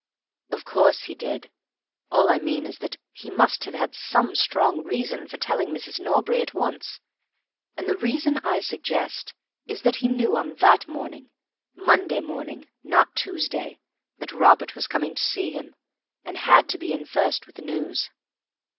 "Of course he did. All I mean is that he must have had some strong reason for telling Mrs. Norbury at once. And the reason I suggest is that he knew on that morning—Monday morning, not Tuesday—that Robert was coming to see him, and had to be in first with the news.